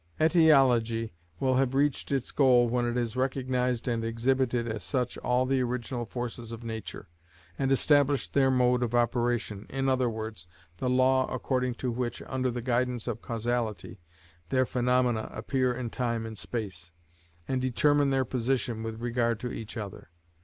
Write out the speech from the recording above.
Etiology will have reached its goal when it has recognised and exhibited as such all the original forces of nature, and established their mode of operation, i.e., the law according to which, under the guidance of causality, their phenomena appear in time and space, and determine their position with regard to each other.